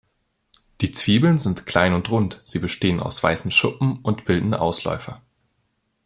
Die Zwiebeln sind klein und rund, sie bestehen aus weißen Schuppen und bilden Ausläufer.